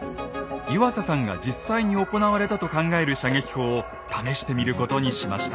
湯浅さんが実際に行われたと考える射撃法を試してみることにしました。